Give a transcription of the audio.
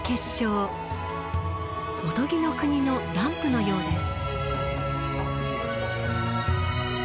おとぎの国のランプのようです。